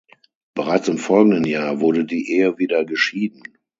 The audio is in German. Bereits im folgenden Jahr wurde die Ehe wieder geschieden.